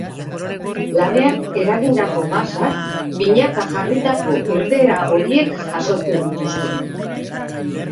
Labeak eragindako gasak, binaka jarritako irteera-hodiek jasotzen dituzte.